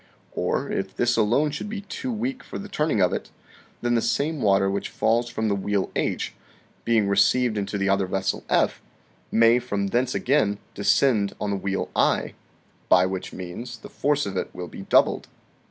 Or, if this alone should be too weak for the turning of it, then the same water which falls from the wheel H, being re ceived into the other vessel F, may from thence again descend on the wheel I, by which means the force of it will be doubled.